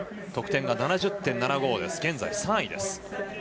得点７０．７５で現在３位です。